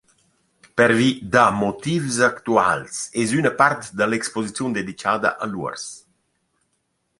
Pervi da motivs actuals es üna part da l’exposiziun dedichada a l’uors.